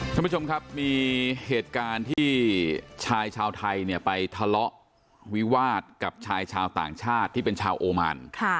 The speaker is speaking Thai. ท่านผู้ชมครับมีเหตุการณ์ที่ชายชาวไทยเนี่ยไปทะเลาะวิวาสกับชายชาวต่างชาติที่เป็นชาวโอมาน